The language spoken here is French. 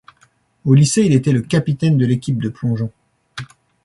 Au lycée, il était le capitaine de l'équipe de plongeon.